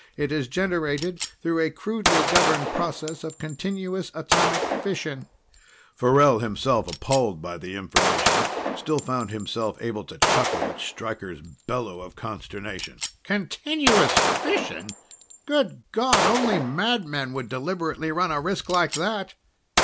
It is generated through a crudely governed process of continuous atomic fission." Farrell, himself appalled by the information, still found himself able to chuckle at Stryker's bellow of consternation. "Continuous fission? Good God, only madmen would deliberately run a risk like that!"